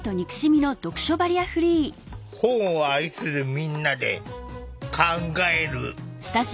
本を愛するみんなで考える。